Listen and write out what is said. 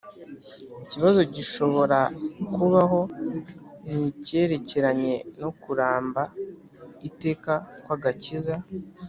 ikibazo gishobora kubaho ni icyerekeranye no kuramba iteka kw'agakiza.